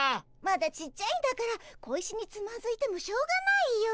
まだちっちゃいんだから小石につまずいてもしょうがないよ。